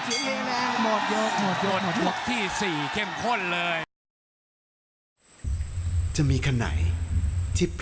เสียจังหวังปลายยก